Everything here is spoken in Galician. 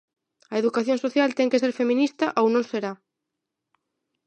A educación social ten que ser feminista, ou non será.